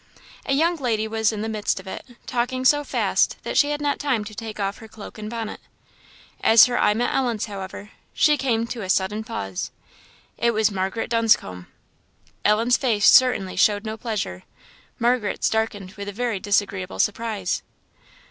A young lady was in the midst of it, talking so fast, that she had not time to take off her cloak and bonnet. As her eye met Ellen's, however, she came to a sudden pause. It was Margaret Dunscombe. Ellen's face certainly showed no pleasure; Margaret's darkened with a very disagreeable surprise.